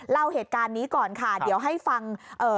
เล่าเหตุการณ์นี้ก่อนค่ะเดี๋ยวให้ฟังเอ่อ